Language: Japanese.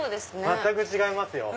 全く違いますよ。